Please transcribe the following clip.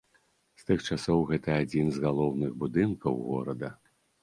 З тых часоў гэта адзін з галоўных будынкаў горада.